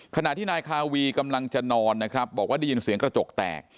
ขณะที่นายคาวีกำลังจะนอนนะครับบอกว่าได้ยินเสียงกระจกแตก